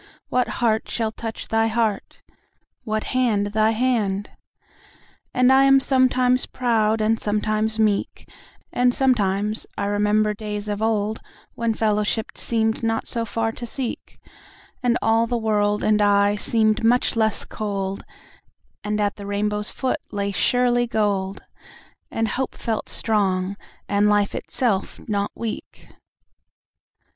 What heart shall touch thy heart? What hand thy hand? And I am sometimes proud and sometimes meek, And sometimes I remember days of old 10 When fellowship seem'd not so far to seek, And all the world and I seem'd much less cold, And at the rainbow's foot lay surely gold, And hope felt strong, and life itself not weak.